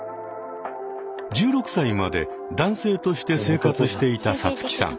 １６歳まで男性として生活していたさつきさん。